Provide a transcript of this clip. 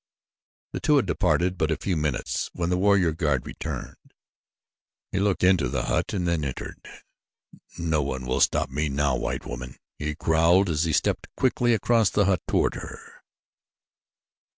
The two had departed but a few minutes when the warrior guard returned. He looked into the hut and then entered. "No one will stop me now, white woman," he growled as he stepped quickly across the hut toward her.